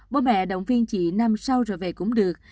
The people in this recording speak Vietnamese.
bố mẹ động viên chị năm sau rồi về cũng được